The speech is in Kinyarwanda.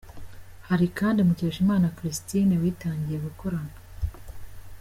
Hari kandi Mukeshimana Christine witangiye gukorana